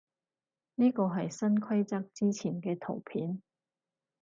呢個係新規則之前嘅圖片